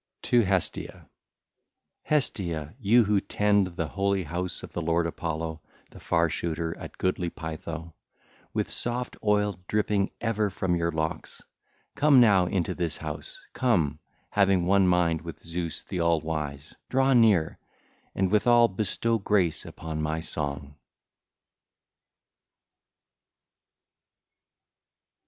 XXIV. TO HESTIA (ll. 1 5) Hestia, you who tend the holy house of the lord Apollo, the Far shooter at goodly Pytho, with soft oil dripping ever from your locks, come now into this house, come, having one mind with Zeus the all wise—draw near, and withal bestow grace upon my song.